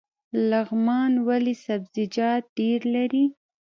لغمان ولې سبزیجات ډیر لري؟